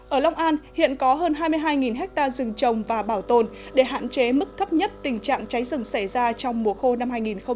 ở long an hiện có hơn hai mươi hai ha rừng trồng và bảo tồn để hạn chế mức thấp nhất tình trạng cháy rừng xảy ra trong mùa khô năm hai nghìn một mươi chín